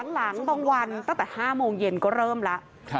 หลังบางวันตั้งแต่๕โมงเย็นก็เริ่มแล้ว